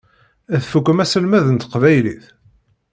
Tfukkem aselmed n teqbaylit?